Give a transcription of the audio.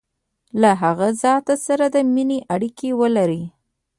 له هغه ذات سره د مینې اړیکي ولري.